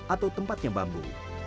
atau tempatnya bambu